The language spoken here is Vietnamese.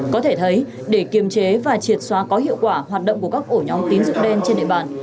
có thể thấy để kiềm chế và triệt xóa có hiệu quả hoạt động của các ổ nhóm tín dụng đen trên địa bàn